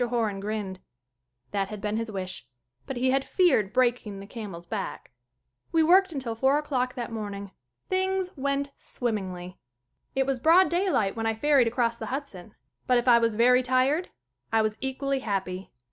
Horan grinned. That had been his wish. But he had feared breaking the camel's back. We worked until four o'clock that morning. Things went swimmingly. It was broad day light when I ferried across the Hudson but if I was very tired I was equally happy.